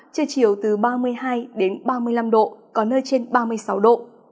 trưa chiều từ ba mươi hai ba mươi năm độ có nơi trên ba mươi sáu độ